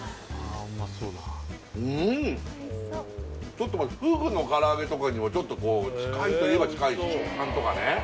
ちょっとまたフグの唐揚げとかにも近いといえば近い食感とかね